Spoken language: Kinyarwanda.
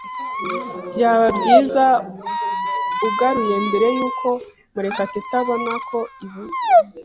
Byaba byiza ugaruye mbere yuko Murekatete abona ko ibuze.